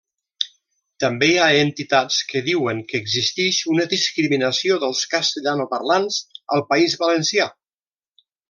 També hi ha entitats que diuen que existix una discriminació dels castellanoparlants al País Valencià.